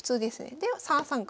で３三角。